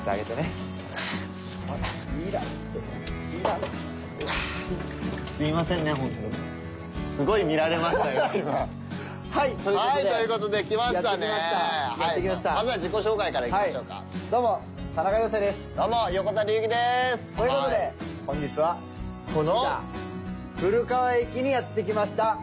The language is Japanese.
という事で本日は「飛騨古川駅」にやって来ました。